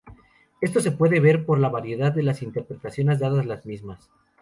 Esto se puede ver por la variedad de interpretaciones dadas a la misma.